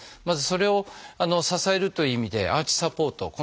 まずそれを支えるという意味でアーチサポート